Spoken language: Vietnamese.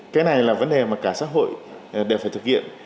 cái này là vấn đề mà cả xã hội đều phải thực hiện